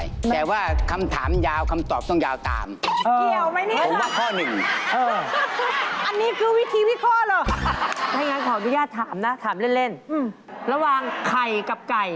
เราทานมาก